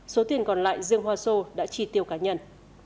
số tiền còn lại dương hoa sô đã chi tiêu cá nhân